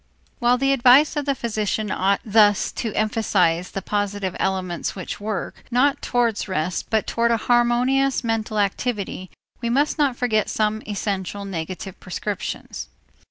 While the advice of the physician ought thus to emphasize the positive elements which work, not towards rest, but toward a harmonious mental activity, we must not forget some essential negative prescriptions.